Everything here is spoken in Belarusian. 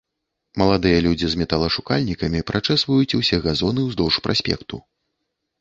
Маладыя людзі з металашукальнікамі прачэсваюць усе газоны ўздоўж праспекту.